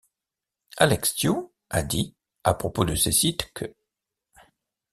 Alex Tew a dit, à propos de ces sites, qu'